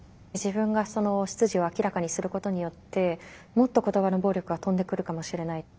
自分が出自を明らかにすることによってもっと言葉の暴力が飛んでくるかもしれない。